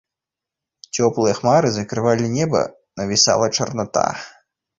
Цёплыя хмары закрывалі неба, навісала чарната.